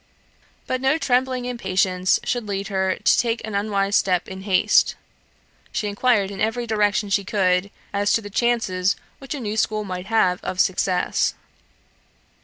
But no trembling impatience should lead her to take an unwise step in haste. She inquired in every direction she could, as to the chances which a new school might have of success.